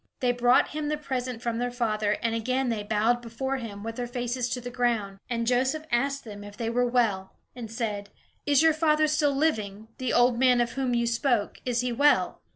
They brought him the present from their father, and again they bowed before him, with their faces on the ground. And Joseph asked them if they were well, and said: "Is your father still living, the old man of whom you spoke? Is he well?"